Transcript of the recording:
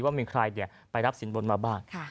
ว่ามีใครไปรับสินบนมาบ้าง